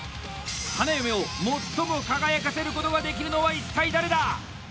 花嫁を最も輝かせることができるのは一体誰だ！？